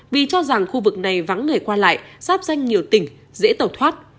vì cho rằng khu vực này vắng người qua lại sắp danh nhiều tỉnh dễ tẩu thoát